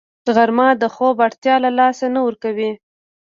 غرمه د خوب اړتیا له لاسه نه ورکوي